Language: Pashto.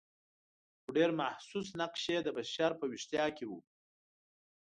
خو ډېر محسوس نقش یې د بشر په ویښتیا کې و.